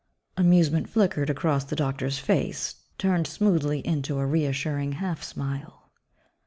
Amusement flickered across the doctor's face, turned smoothly into a reassuring half smile.